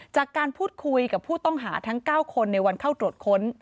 จากการพูดคุยกับผู้ต้องหาทั้ง๙คนในวันเข้าตรวจค้น